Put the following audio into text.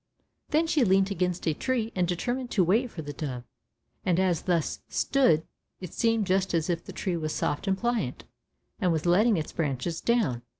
Then she leant against a tree and determined to wait for the dove, and, as she thus stood, it seemed just as if the tree was soft and pliant, and was letting its branches down.